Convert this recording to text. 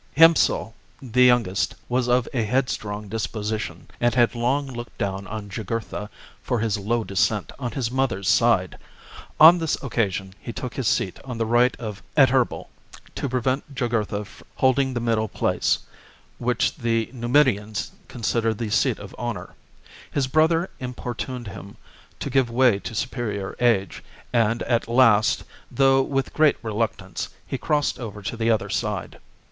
Hiempsal, the youngest, was of a headstrong dis position, and had long looked down on Jugurtha for his low descent on his mother's side. On this occasion he took his seat on the right of Adherbal to prevent Jugurtha holding the middle place, which the Numidians consider the scat of honour. His brother importuned him to give way to superior age, and at last, though with great reluctance, he crossed over to the other side.